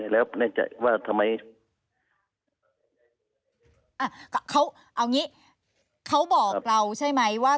เราบอกเราใช่ไหมว่า